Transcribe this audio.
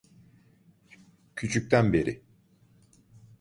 Küçükten beri.